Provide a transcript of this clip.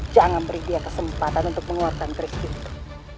jangan beri dia kesempatan untuk mengeluarkan kerisakti itu